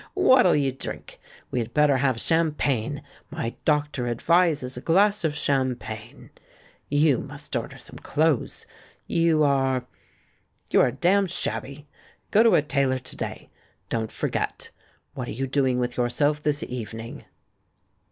What'll you drink? We had better have champagne — my doctor advises a glass of champagne. ... You must order some clothes. You are — you are damned shabby. Go to a tailor to day ; don't for get. What are you doing with yourself this eve nmg?